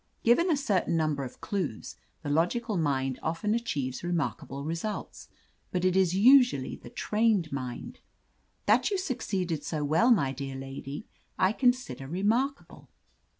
Given a certain niunber of clues, the logical mind often achieves remarkable results, but it is usually the trained mind. That you suc ceeded so well, my dear lady, I consider re markable.